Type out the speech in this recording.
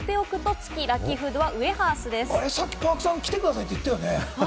さっきＰａｒｋさん来てくださいって言ってたよね。